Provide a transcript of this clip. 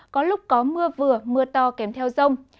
có lúc có mưa vừa mưa to kèm theo rông